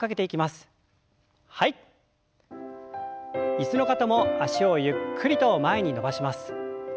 椅子の方も脚をゆっくりと前に伸ばします。